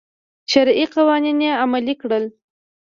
شرعي قوانین یې عملي کړل.